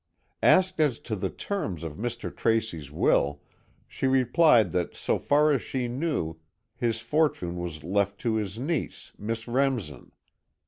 Asked as to the terms of Mr. Tracy's will, she replied that so far as she knew his fortune was left to his niece, Miss Remsen.